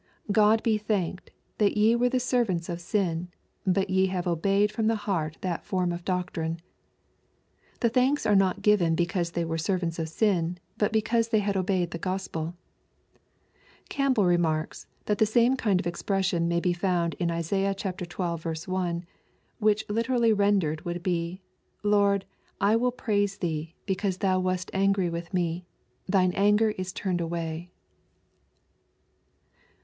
Grod be thanked, that ye were the servants of sin, but ye have . obeyed from the heart that form of doctrine." The thanks are not given because they were the servants of sin, but because they had obeyed the Gospel Campbell remarks, that the same kind of expression may be found in Isaiah xii. 1, which Uterally rendered would be, "Lord, I will praise thee, because thou wast angry with me ; thine anger is turned away."